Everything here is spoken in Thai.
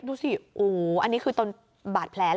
ดูสิโอ้โหอันนี้คือตอนบาดแผล